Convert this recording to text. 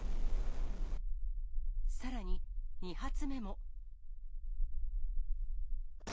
さらに、２発目も。